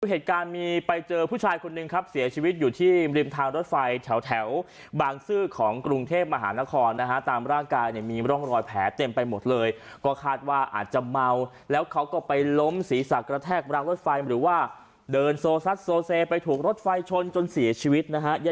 เหตุการณ์มีไปเจอผู้ชายคนหนึ่งครับเสียชีวิตอยู่ที่ริมทางรถไฟแถวบางซื่อของกรุงเทพมหานครนะฮะตามร่างกายเนี่ยมีร่องรอยแผลเต็มไปหมดเลยก็คาดว่าอาจจะเมาแล้วเขาก็ไปล้มศีรษะกระแทกรางรถไฟหรือว่าเดินโซซัดโซเซไปถูกรถไฟชนจนเสียชีวิตนะฮะ